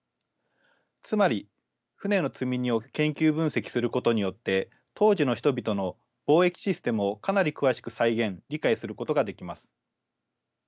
つまり船の積み荷を研究分析することによって当時の人々の貿易システムをかなり詳しく再現理解することができます。